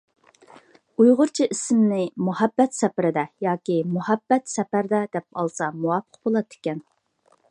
ئۇيغۇرچە ئىسمىنى «مۇھەببەت سەپىرىدە» ياكى «مۇھەببەت سەپەردە» دەپ ئالسا مۇۋاپىق بولاتتىكەن.